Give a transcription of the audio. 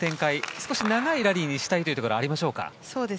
少し長いラリーにしたいところがありましょうか？